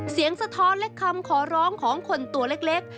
สะท้อนและคำขอร้องของคนตัวเล็ก